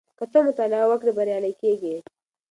که ته مطالعه وکړې بریالی کېږې.